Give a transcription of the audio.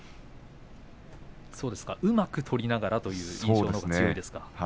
うまく取りながらという印象が強いですか。